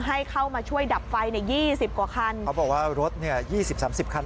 ให้เข้ามาช่วยดับไฟในยี่สิบกว่าคันเขาบอกว่ารถเนี่ยยี่สิบสามสิบคัน